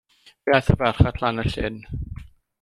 Fe aeth y ferch at lan y llyn.